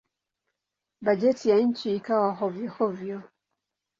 Bajeti ya nchi ikawa hovyo-hovyo.